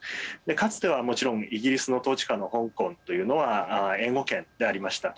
かつては、もちろんイギリスの統治下の香港というのは英語圏でありました。